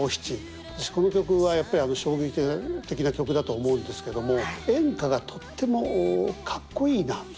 私この曲はやっぱり衝撃的な曲だと思うんですけども演歌がとってもかっこいいな。